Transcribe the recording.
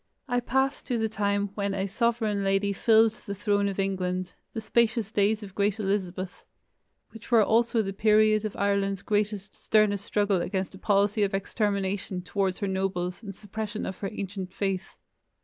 I pass to the time when a sovereign lady filled the throne of England, "the spacious days of great Elizabeth," which were also the period of Ireland's greatest, sternest struggle against a policy of extermination towards her nobles and suppression of her ancient faith.